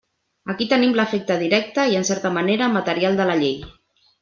Aquí tenim l'efecte directe i en certa manera material de la llei.